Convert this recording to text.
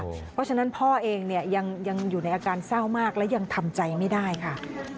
เพราะฉะนั้นพ่อเองเนี่ยยังอยู่ในอาการเศร้ามากและยังทำใจไม่ได้ค่ะ